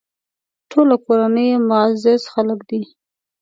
ټوله کورنۍ یې معزز خلک دي.